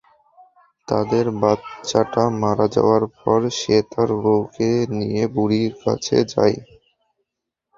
তাদের বাচ্চা টা মারা যাওয়ার পর, সে তার বউকে নিয়ে বুড়ির কাছে যায়।